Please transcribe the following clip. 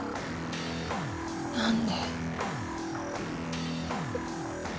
何で？